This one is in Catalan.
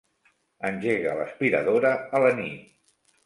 Engega l'aspiradora a la nit.